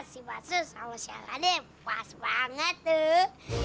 si basu sama si alani pas banget tuh